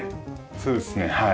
そうですねはい。